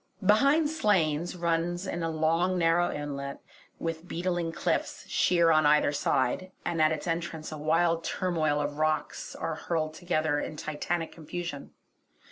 Behind Slains runs in a long narrow inlet with beetling cliffs, sheer on either side, and at its entrance a wild turmoil of rocks are hurled together in titanic confusion.